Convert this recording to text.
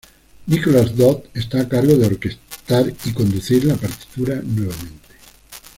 Nicholas Dodd está a cargo de orquestar y conducir la partitura nuevamente.